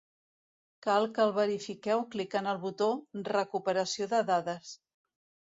Cal que el verifiqueu clicant el botó "Recuperació de dades".